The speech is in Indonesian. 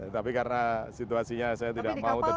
tapi karena situasinya saya tidak mau terjadi